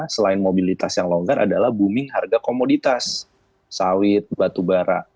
selain mobilitas yang longgar adalah booming harga komoditas sawit batubara